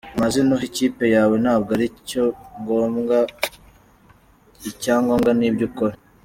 Amazina uha ikipi yawe ntabwo ali cyo ngombwa, icya ngombwa ni ibyo ukora.